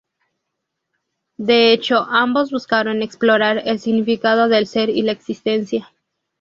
De hecho, ambos buscaron explorar el significado del ser y la existencia.